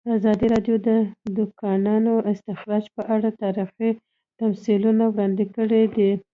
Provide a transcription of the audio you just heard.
ازادي راډیو د د کانونو استخراج په اړه تاریخي تمثیلونه وړاندې کړي.